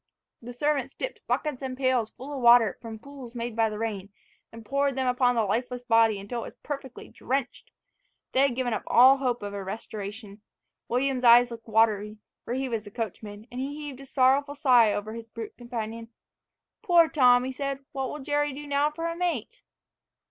The servants dipped buckets and pails full of water from pools made by the rain, and poured them upon the lifeless body, until it was perfectly drenched. They had given up all hope of a restoration. William's eyes looked watery (for he was the coachman) and he heaved a sorrowful sigh over his brute companion. "Poor Tom!" he said, "what will Jerry do now for a mate?"